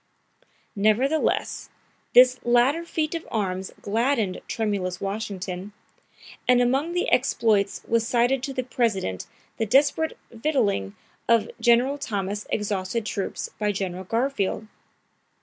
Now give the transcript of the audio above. Nevertheless, this latter feat of arms gladdened tremulous Washington, and among the exploits was cited to the President the desperate victualing of General Thomas' exhausted troops by General Garfield.